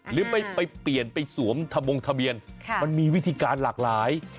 หรือไปเปลี่ยนไปสวมทะบงทะเบียนมันมีวิธีการหลากหลาย